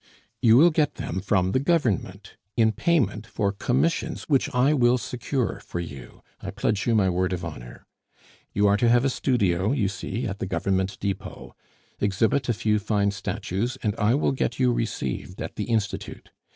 "You will get them from the Government, in payment for commissions which I will secure for you, I pledge you my word of honor. You are to have a studio, you see, at the Government depot. Exhibit a few fine statues, and I will get you received at the Institute.